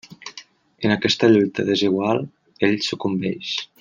En aquesta lluita desigual ell sucumbeix.